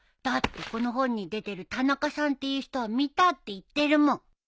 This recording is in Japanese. だってこの本に出てる田中さんっていう人は見たって言ってるもん。